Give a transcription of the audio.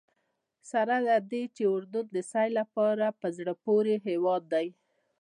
سره له دې چې اردن د سیل لپاره په زړه پورې هېواد دی.